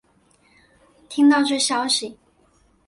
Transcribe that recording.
听到这消息